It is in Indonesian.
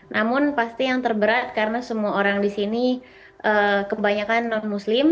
namun pasti yang terberat karena semua orang di sini kebanyakan non muslim